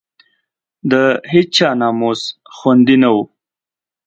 د هېچا ناموس خوندي نه وو.